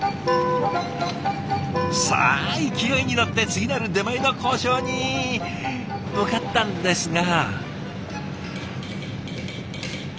さあ勢いに乗って次なる出前の交渉に向かったんですが。